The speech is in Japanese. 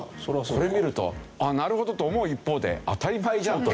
これを見るとああなるほどと思う一方で当たり前じゃんと。